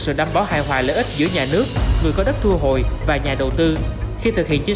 sự đảm bảo hài hòa lợi ích giữa nhà nước người có đất thu hồi và nhà đầu tư khi thực hiện chương